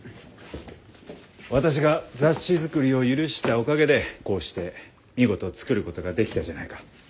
私が雑誌作りを許したおかげでこうして見事作ることができたじゃないか。